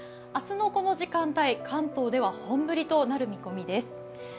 明日のこの時間帯、関東では本降りとなる見込みです。